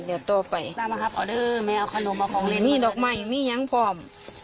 เดี๋ยวตัวไปมีดอกไม้มียังพร้อม